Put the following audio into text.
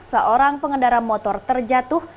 seorang pengendara motor terjatuh